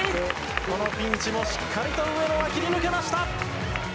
このピンチもしっかりと上野は切り抜けました。